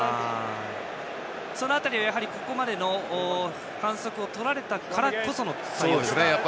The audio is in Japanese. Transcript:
その辺りはここまでの反則をとられたからこその対応ですか？